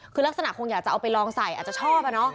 คือลักษณะคงอยากจะเอาไปลองใส่อาจจะชอบอะเนาะ